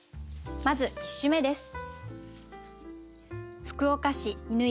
まず１首目です。